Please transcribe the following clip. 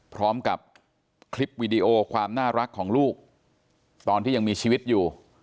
พร้อมกับคลิปวีดีโอความน่ารักของลูกตอนที่ยังมีชีวิตอยู่